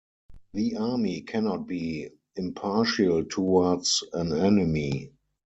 The army cannot be 'impartial' towards an enemy.